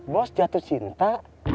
bos jatuh cinta